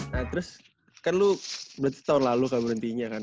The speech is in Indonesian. nah terus kan lu berarti setahun lalu kalau berhentinya kan